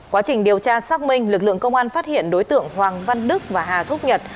quá trình điều tra xác minh lực lượng công an phát hiện đối tượng hoàng văn đức và hà thúc nhật